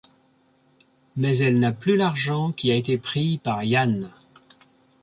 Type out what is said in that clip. Mais elle n'a plus l'argent, qui a été pris par Jan.